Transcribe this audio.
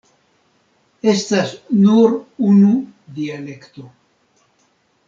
Estas nur unu dialekto.